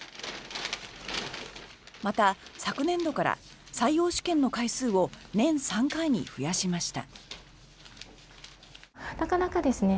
また、昨年度から採用試験の回数を年３回に増やしました。